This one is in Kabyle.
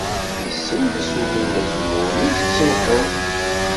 Wissen ma sulin-d azemmur-nni s llqeḍ!